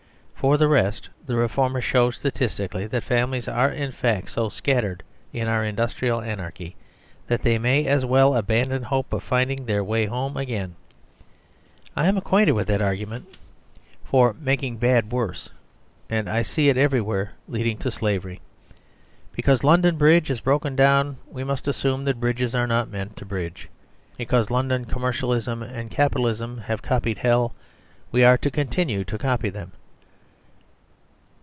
For the rest, the reformers show statistically that families are in fact so scattered in our industrial anarchy, that they may as well abandon hope of finding their way home again. I am acquainted with that argu ment for making bad worse and I see it every The Superstition of Divorce 81 where leading to slavery. Because London Bridge is broken down, we must assume that bridges are not meant to bridge. Because London commercialism and capitalism have copied hell, we are to continue to copy them.